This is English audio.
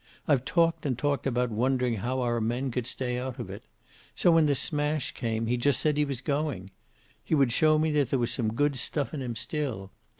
I've talked and talked about wondering how our men could stay out of it. So when the smash came, he just said he was going. He would show me there was some good stuff in him still.